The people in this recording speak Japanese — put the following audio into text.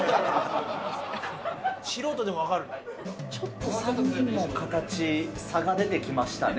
ちょっと３人の形、差が出てきましたね。